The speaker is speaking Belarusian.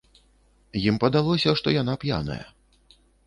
Ім падалося, што яна п'яная.